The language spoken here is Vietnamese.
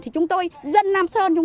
thì chúng tôi dân nam sơn